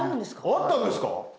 あったんですか！